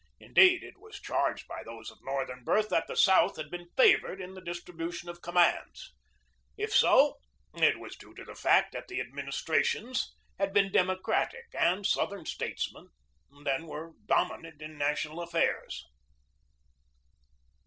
Indeed, it was charged by those of Northern birth that the South had been favored in the distri bution of commands. If so, it was due to the fact that the administrations had been Democratic, and Southern statesmen then were dominant in national affairs.